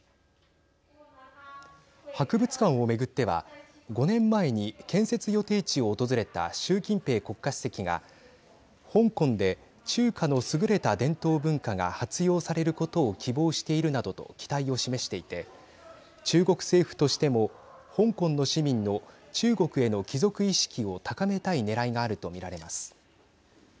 博物館を巡っては５年前に建設予定地を訪れた習近平国家主席が香港で中華の優れた伝統文化が発揚されることを希望しているなどと期待を示していて中国政府としても香港の市民の中国への帰属意識を高めたいねらいがあると見られます。